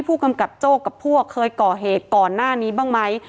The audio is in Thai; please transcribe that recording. ผู้กำกับโจ้กับพวกเคยก่อเหตุก่อนหน้านี้บ้างไหม